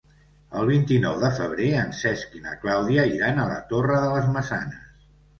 El vint-i-nou de febrer en Cesc i na Clàudia iran a la Torre de les Maçanes.